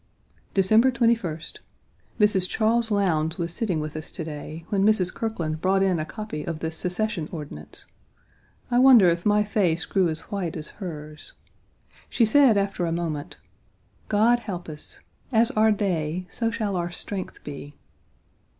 December 21st. Mrs. Charles Lowndes was sitting with us to day, when Mrs. Kirkland brought in a copy of the Secession Ordinance. I wonder if my face grew as white as hers. She said after a moment: "God help us. As our day, so shall our strength be."